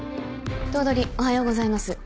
頭取おはようございます。